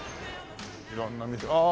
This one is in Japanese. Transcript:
色んな店ああ